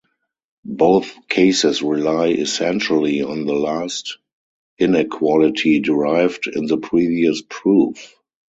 Both cases rely essentially on the last inequality derived in the previous proof.